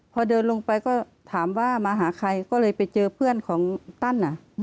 พอเดินลงไปก็ถามว่ามาหาใครก็เลยไปเจอเพื่อนของตั้น